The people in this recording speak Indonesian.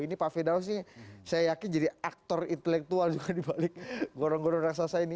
ini pak firdaus ini saya yakin jadi aktor intelektual juga dibalik gorong gorong raksasa ini